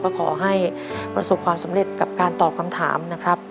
ก็ขอให้ประสบความสำเร็จกับการตอบคำถามนะครับ